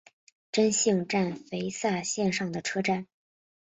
真幸站肥萨线上的车站。